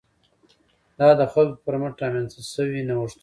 دا د خلکو پر مټ رامنځته شوي نوښتونه وو.